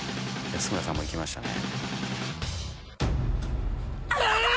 安村さんも行きましたね。